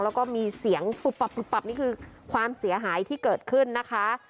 แล้วก็มีเสียงปุ๊บปับปุ๊บปับนี่คือความเสียหายที่เกิดขึ้นนะคะ